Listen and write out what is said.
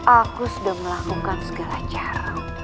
aku sudah melakukan segala cara